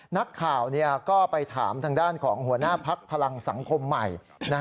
นักข่าวก็ไปถามทางด้านของหัวหน้าพักพลังสังคมใหม่